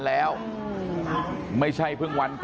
สวัสดีครับคุณผู้ชาย